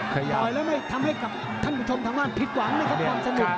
ต่อยแล้วไม่ทำให้กับท่านผู้ชมทางบ้านผิดหวังนะครับความสนุก